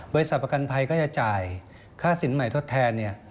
บริษัทประกันภัยก็จะจ่ายค่าสินใหม่ทดแทน